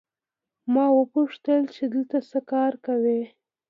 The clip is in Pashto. ما وپوښتل چې دلته څه کار کوې؟